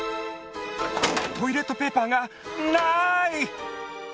トイレットペーパーがない！